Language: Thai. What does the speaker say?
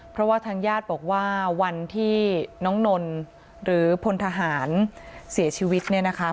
เพราะว่าทางญาติบอกว่าวันที่น้องนนหรือพลทหารเสียชีวิตเนี่ยนะคะ